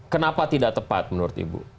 kenapa tidak tepat menurut ibu